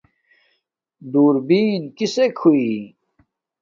درݳبݵن کݵسݵک ہݸئݵ؟